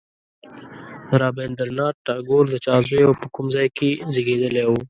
رابندر ناته ټاګور د چا زوی او په کوم ځای کې زېږېدلی و.